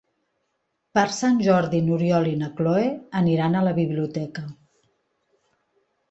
Per Sant Jordi n'Oriol i na Cloè aniran a la biblioteca.